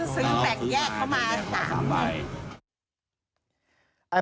แต่เราซื้อแบบแยกเข้ามา๓ใบ